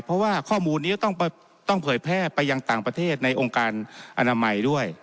เพราะว่าข้อมูลนี้ต้องเผยแพร่ไปยังต่างประเทศในองค์การอนามัยด้วย